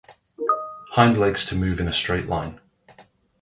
Hind legs to move in a straight line.